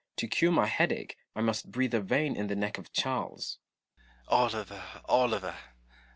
To cure my headache, I must breathe a vein in the neck of Charles. Noble. Oliver, Oliver